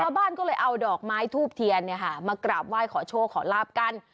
ชาวบ้านก็เลยเอาดอกไม้ทูบเทียนมากราบไหว้ขอโชคขอลาบกัน